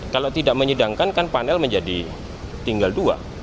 kalau tidak menyidangkan kan panel menjadi tinggal dua